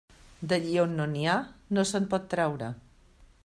D'allí a on no n'hi ha no se'n pot traure.